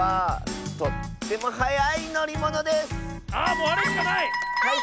もうあれしかない！